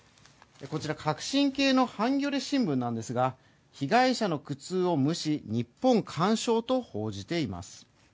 革新系の「ハンギョレ新聞」なんですが、被害者の苦痛を無視、日本完勝と報じています。